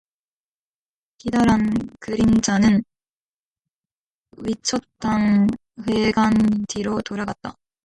기다란 그림자는 휘젓한 회관 뒤로 돌아갔다.